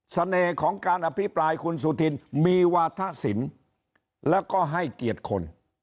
เสน่ห์ของการอภิปรายคุณสุธินมีวาทะสินแล้วก็ให้เกียรติคน